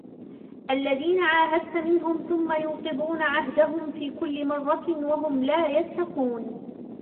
الذين عاهدت منهم ثم ينقضون عهدهم في كل مرة وهم لا يتقون